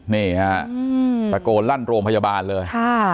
นี่ครับประโกนลั่นโรงพยาบาลเลย